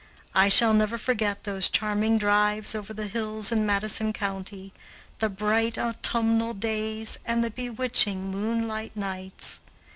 I shall never forget those charming drives over the hills in Madison County, the bright autumnal days, and the bewitching moonlight nights.